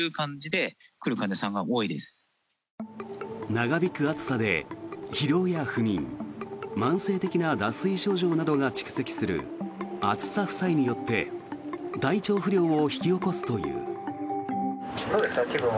長引く暑さで疲労や不眠慢性的な脱水症状などが蓄積する暑さ負債によって体調不良を引き起こすという。